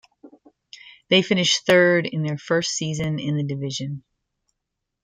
They finished third in their first season in the division.